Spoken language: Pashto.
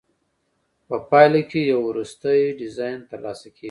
په پایله کې یو وروستی ډیزاین ترلاسه کیږي.